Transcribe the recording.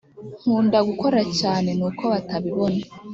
nkunda gukora cyane nuko batabibona